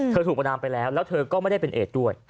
ถูกประนามไปแล้วแล้วเธอก็ไม่ได้เป็นเอกด้วย